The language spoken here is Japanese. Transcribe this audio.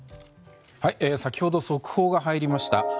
先ほど速報が入りました。